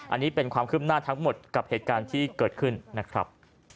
อันนี้เป็นความคืบหน้าทั้งหมดกับเหตุการณ์ที่เกิดขึ้นนะครับ